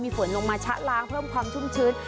ฝนลงมาชะล้างเพิ่มความชุ่มชื้น